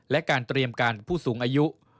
และการเตรียมการผู้สูงอายุ